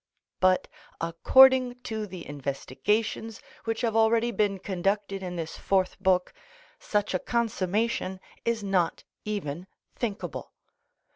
But, according to the investigations which have already been conducted in this Fourth Book, such a consummation is not even thinkable.